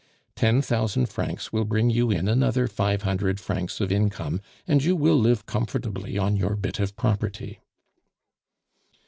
Ten thousand francs will bring you in another five hundred francs of income, and you will live comfortably on your bit of property."